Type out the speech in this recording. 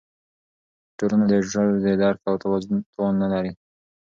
ټولنه د شعر د درک توان نه لري.